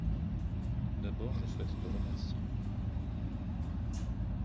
Tout d’abord je souhaite te remercier.